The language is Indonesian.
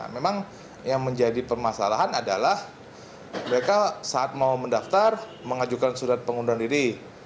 memang yang menjadi permasalahan adalah mereka saat mau mendaftar mengajukan surat pengunduran diri